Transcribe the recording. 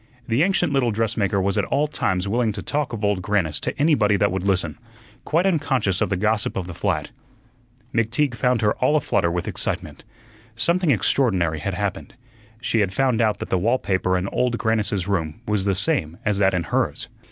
The ancient little dressmaker was at all times willing to talk of Old Grannis to anybody that would listen, quite unconscious of the gossip of the flat. McTeague found her all a flutter with excitement. Something extraordinary had happened. She had found out that the wall paper in Old Grannis's room was the same as that in hers.